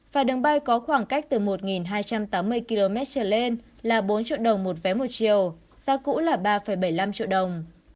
và đường bay có khoảng cách từ một hai trăm tám mươi km trở lên là bốn triệu đồng một vé một chiều giá cũ là ba bảy mươi năm triệu đồng